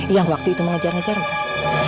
yang waktu itu mengejar ngejar mas